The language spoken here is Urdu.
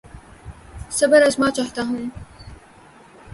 صبر آزما چاہتا ہوں